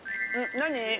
何？